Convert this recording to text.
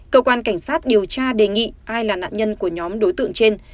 cơ quan cảnh sát điều tra đề nghị ai là nạn nhân của nhóm đối tượng trên